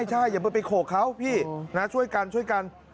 ใช่อย่าไปโขกเขาช่วยกัน